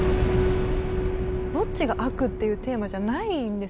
どっちが悪っていうテーマじゃないんですよね。